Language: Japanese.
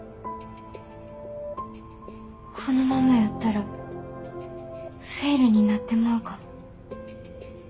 このままやったらフェイルになってまうかも。